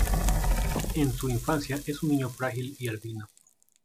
En su infancia es un niño frágil y albino.